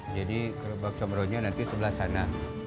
jadi kerubang comronnya nanti sebelah sana